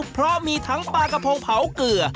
เพราะมีทั้งปลากระพงเผาเกลือ